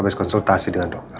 habis konsultasi dengan dokter